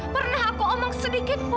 pernah aku omong sedikitpun